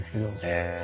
へえ。